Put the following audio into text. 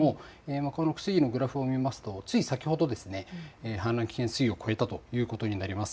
推移のグラフを見ますとつい先ほど氾濫危険水位を超えたということになります。